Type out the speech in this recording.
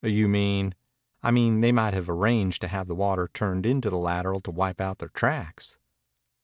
"You mean ?" "I mean they might have arranged to have the water turned into the lateral to wipe out their tracks."